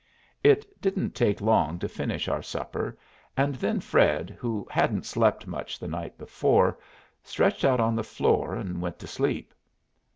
It didn't take long to finish our supper, and then Fred, who hadn't slept much the night before, stretched out on the floor and went to sleep.